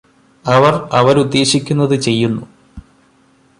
അവര് അവരുദ്ദേശിക്കുന്നത് ചെയ്യുന്നു